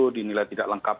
dinilai tidak lengkap